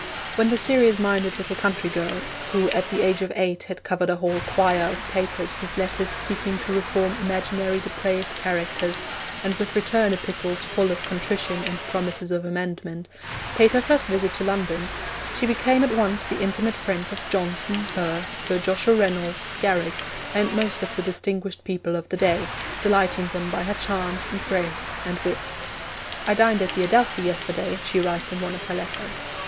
When the serious minded little country girl, who at the age of eight had covered a whole quire of paper with letters seeking to reform imaginary depraved characters, and with return epistles full of contrition and promises of amendment, paid her first visit to London, she became at once the intimate friend of Johnson, Burke, Sir Joshua Reynolds, Garrick, and most of the distinguished people of the day, delighting them by her charm, and grace, and wit. 'I dined at the Adelphi yesterday,' she writes in one of her letters.